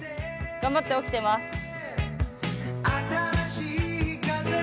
頑張って起きてます。